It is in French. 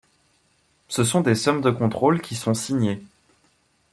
Ce sont ces sommes de contrôle qui sont signées.